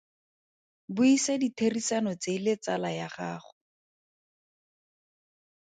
Buisa ditherisano tse le tsala ya gago.